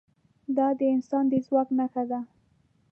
دا د انسان د ځواک نښه ده.